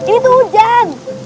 ini tuh hujan